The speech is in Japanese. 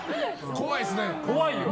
怖いですね。